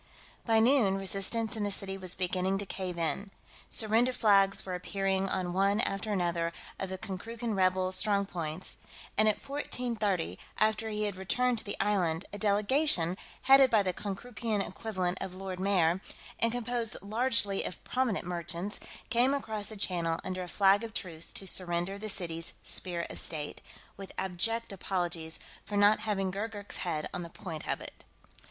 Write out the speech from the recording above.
By noon, resistance in the city was beginning to cave in. Surrender flags were appearing on one after another of the Konkrookan rebel strong points, and at 1430, after he had returned to the Island, a delegation, headed by the Konkrookan equivalent of Lord Mayor and composed largely of prominent merchants, came across the channel under a flag of truce to surrender the city's Spear of State, with abject apologies for not having Gurgurk's head on the point of it.